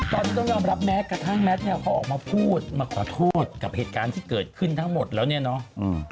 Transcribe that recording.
ตอนนี้ต้องยอมรับแม้กระทั่งแมทเนี่ยเขาออกมาพูดมาขอโทษกับเหตุการณ์ที่เกิดขึ้นทั้งหมดแล้วเนี่ยเนาะ